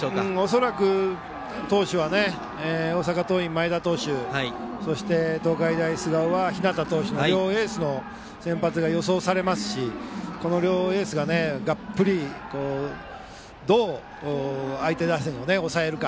恐らく、投手は大阪桐蔭は前田投手そして東海大菅生は日當投手の両エースの先発が予想されますしこの両エースが、がっぷりどう相手打線を抑えるか。